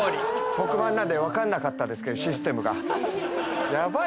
特番なんでわかんなかったですけどシステムが。